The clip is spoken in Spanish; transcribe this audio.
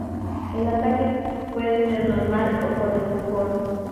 El ataque puede ser normal o con empujón.